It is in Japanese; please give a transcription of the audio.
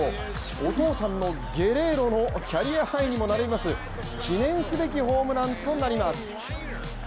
お父さんのゲレーロのキャリアハイに並びます記念すべきホームランとなります。